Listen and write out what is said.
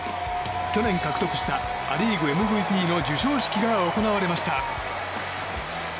去年獲得したア・リーグＭＶＰの授賞式が行われました。